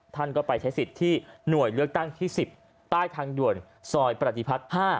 ท่านก็ไปใช้สิทธิ์ที่หน่วยเลือกตั้งที่๑๐ใต้ทางด่วนซอยปฏิพัฒน์๕